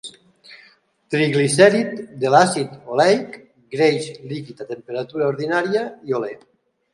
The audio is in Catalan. Triglicèrid de l'àcid oleic, greix líquid a temperatura ordinària, i olè.